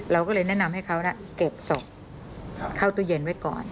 เราก็เลยแนะนำให้เขาเก็บศพเข้าตู้เย็นไว้ก่อน